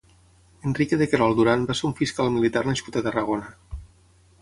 Enrique de Querol Duran va ser un fiscal militar nascut a Tarragona.